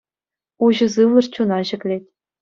Уҫӑ сывлӑш чуна ҫӗклет.